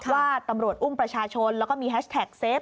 ว่าตำรวจอุ้มประชาชนแล้วก็มีแฮชแท็กเซฟ